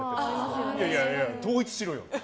いやいや、統一しろよって。